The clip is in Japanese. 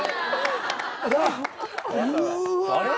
あれ？